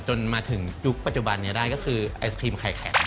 จนมาถึงยุคปัจจุบันนี้ได้ก็คือไอศครีมไข่แข็ง